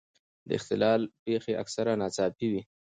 د اختلال پېښې اکثره ناڅاپي وي.